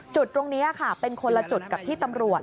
จุดตรงนี้ค่ะเป็นคนละจุดกับที่ตำรวจ